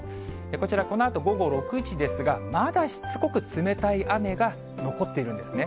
こちら、このあと午後６時ですが、まだしつこく冷たい雨が残っているんですね。